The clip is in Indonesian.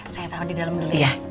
saya tahu di dalam dulu ya